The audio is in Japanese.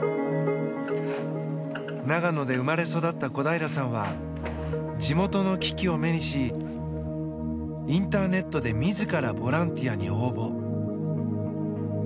長野で生まれ育った小平さんは地元の危機を目にしインターネットで自らボランティアに応募。